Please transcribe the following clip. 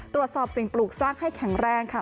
ตรวจสอบสิ่งปลูกสร้างให้แข็งแรงค่ะ